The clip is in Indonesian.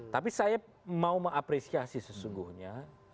tapi saya mau mengapresiasi sesungguhnya